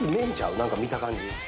何か見た感じ。